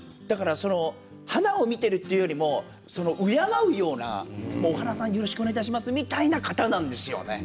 花を見ているというよりも花を敬うような花さん、よろしくお願いしますみたいな方なんですね。